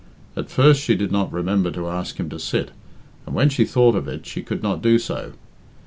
At first she did not remember to ask him to sit, and when she thought of it she could not do so.